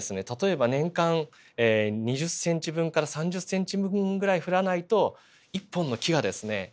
例えば年間２０センチ分から３０センチ分ぐらい降らないと１本の木がですね